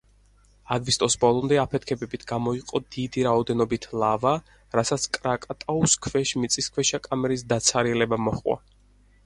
აგვისტოს ბოლომდე აფეთქებებით გამოიყო დიდი რაოდენობით ლავა, რასაც კრაკატაუს ქვეშ მიწისქვეშა კამერის დაცარიელება მოჰყვა.